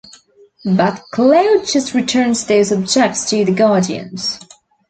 But Claude just returns those objects to the guardians.